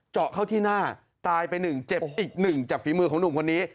เจาะเข้าที่หน้าตายไปหนึ่งเจ็บอีกหนึ่งจากฝีมือของหนุ่มคนนี้